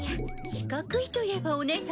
四角いといえばお姉様